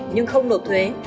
nhưng không nộp thuế